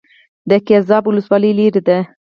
د ګیزاب ولسوالۍ لیرې ده